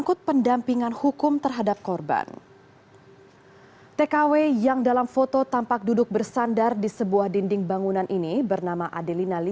ketiga kematian adelina